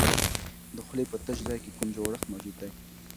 د خولې په تش ځای کې کوم جوړښت موجود دی؟